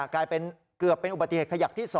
เกือบเป็นอุบัติเหตุขยักที่๒